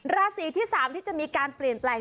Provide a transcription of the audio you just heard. ราศีที่๓ที่จะมีการเปลี่ยนแปลง